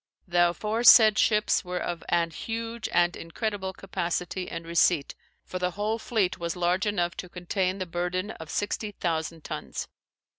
The aforesaid ships were of an huge and incredible capacitie and receipt: for the whole fleete was large enough to contains the burthen of 60,000 tunnes.